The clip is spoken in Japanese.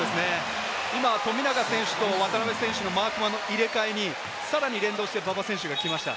今、富永選手と渡邊選手のマークマン入れ替えにさらに連動して馬場選手が来ました。